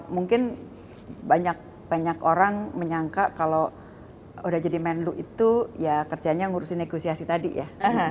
mungkin banyak orang menyangka kalau udah jadi menlu itu ya kerjanya ngurusin negosiasi tadi ya